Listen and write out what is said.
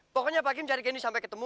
pokoknya pak kim cari gini sampai ketemu